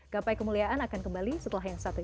gapai kemuliaan akan kembali setelah yang satu ini